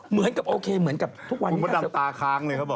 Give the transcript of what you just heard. เอออืมฮัฮฮาร์ะว่ามันดามตาคร้างเลยเขาบอก